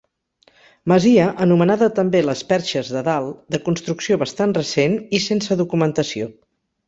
Masia anomenada també les Perxes de Dalt, de construcció bastant recent i sense documentació.